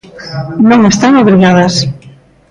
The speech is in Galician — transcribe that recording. Non están obrigadas.